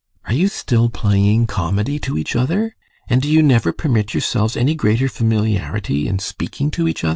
Are you still playing comedy to each other? And do you never permit yourselves any greater familiarity in speaking to each other?